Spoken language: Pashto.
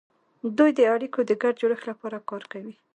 دوی د اړیکو د ګډ جوړښت لپاره کار کوي